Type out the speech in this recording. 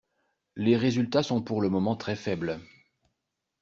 Les résultats sont pour le moment très faibles.